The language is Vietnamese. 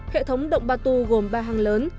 hệ thống động batu gồm ba hang lớn